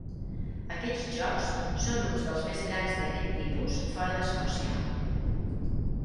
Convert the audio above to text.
Aquests Jocs són uns dels més grans d'aquest tipus fora d'Escòcia.